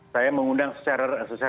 saya mengundang secara langsung